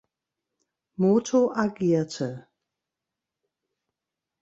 Moto" agierte.